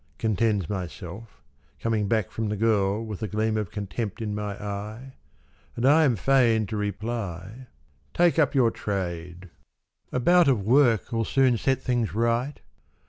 " Contends Myself, Coming back from the girl with the gleam of contempt in my eye, And I am fain to reply :" Take up your trade. 22 '' A bout of work'll " Soon set things right.